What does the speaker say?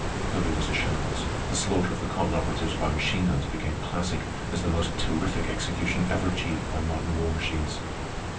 Kobe was a shambles; the slaughter of the cotton operatives by machine guns became classic as the most terrific execution ever achieved by modern war machines.